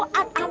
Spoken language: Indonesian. ay tetap cari